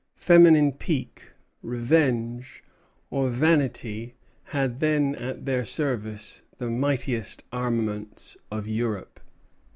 Feminine pique, revenge, or vanity had then at their service the mightiest armaments of Europe.